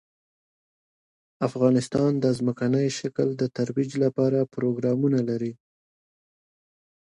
افغانستان د ځمکنی شکل د ترویج لپاره پروګرامونه لري.